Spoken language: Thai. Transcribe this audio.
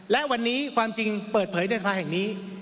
และวันนี้ความจริงเปิดเผยในสภาแห่งนี้